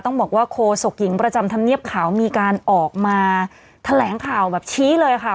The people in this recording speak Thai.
ต้องบอกว่าโคศกหญิงประจำธรรมเนียบขาวมีการออกมาแถลงข่าวแบบชี้เลยค่ะ